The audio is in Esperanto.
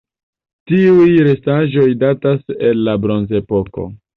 Tiuj restaĵoj datas el la Bronzepoko.